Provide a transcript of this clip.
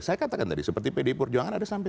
saya katakan tadi seperti pdi perjuangan ada sampai